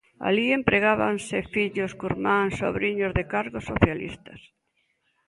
Alí empregábanse fillos, curmáns, sobriños de cargos socialistas.